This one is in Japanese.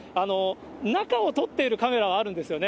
中を撮っているカメラはあるんですよね。